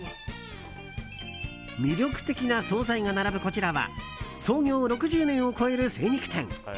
魅力的な総菜が並ぶこちらは創業６０年を超える精肉店。